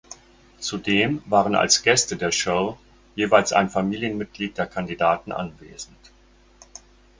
Zudem waren als Gäste der Show jeweils ein Familienmitglied der Kandidaten anwesend.